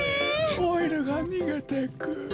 オイルがにげてく。